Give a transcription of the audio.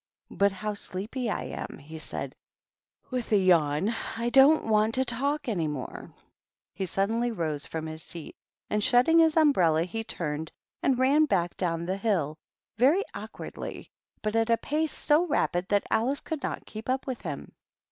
But how sleepy I am!" he said, with a yawn. "I don't want to talk to you any more." He suddenly rose from his seat, and shutting 284 THE TWEEDLES. his umbrella, he turned and ran back down the hill, — very awkwardly, but at a pace so rapid thai Alice could not keep up with him.